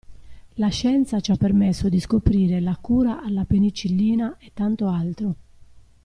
La scienza ci ha permesso di scoprire la cura alla penicillina e tanto altro.